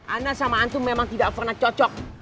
ana sama antu memang tidak pernah cocok